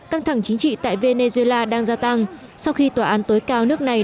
căng thẳng chính trị tại venezuela đang gia tăng sau khi tòa án tối cao nước này